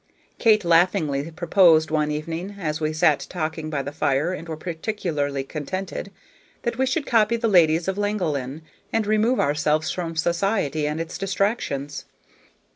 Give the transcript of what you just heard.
Kate laughingly proposed one evening, as we sat talking by the fire and were particularly contented, that we should copy the Ladies of Llangollen, and remove ourselves from society and its distractions.